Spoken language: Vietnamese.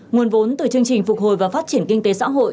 nguồn vốn từ chương trình phục hồi và phát triển kinh tế xã hội